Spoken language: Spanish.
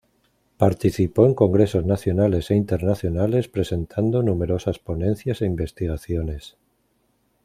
Participó en Congresos Nacionales e Internacionales presentando numerosas ponencias e investigaciones.